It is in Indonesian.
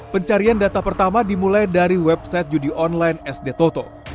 pencarian data pertama dimulai dari website judi online sd toto